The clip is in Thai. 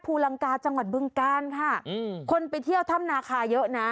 ลังกาจังหวัดบึงกาลค่ะอืมคนไปเที่ยวถ้ำนาคาเยอะนะ